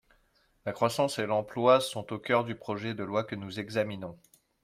La croissance et l’emploi sont au cœur du projet de loi que nous examinons.